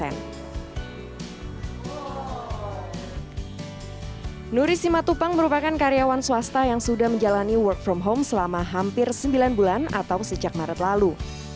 nuri simatupang merupakan karyawan swasta yang sudah menjalani work from home selama hampir sembilan bulan atau sejak maret lalu